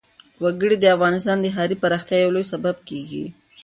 وګړي د افغانستان د ښاري پراختیا یو لوی سبب کېږي.